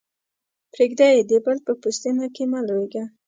پرېږده يې؛ د بل په پوستينه کې مه لویېږه.